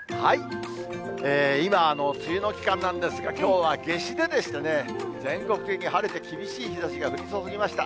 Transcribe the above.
今、梅雨の期間なんですが、きょうは夏至ででしてね、全国的に晴れて厳しい日ざしが降り注ぎました。